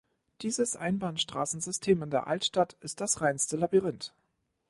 Dieses Einbahnstraßensystem in der Altstadt ist das reinste Labyrinth!